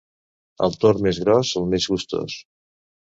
El tord més gros, el més gustós.